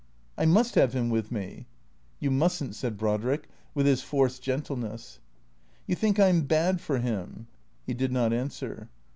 " I must have him with me." " You must n't," said Brodrick, with his forced gentleness. "You think I'm bad for him?" He did not answer.